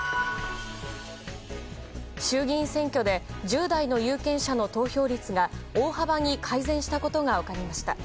衆議院選挙で１０代の有権者の投票率が大幅に改善したことが分かりました。